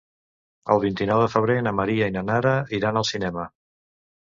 El vint-i-nou de febrer na Maria i na Nara iran al cinema.